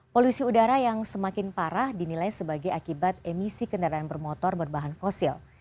polusi udara yang semakin parah dinilai sebagai akibat emisi kendaraan bermotor berbahan fosil